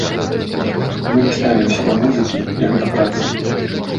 Мы не ставімся да музыкі як да працы.